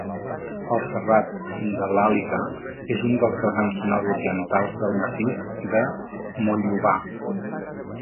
El Serrat de l'Àliga és un dels vessants nord-orientals del massís de Montllobar.